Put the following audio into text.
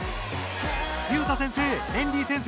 裕太先生メンディー先生